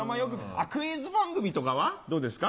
あっクイズ番組とかはどうですか？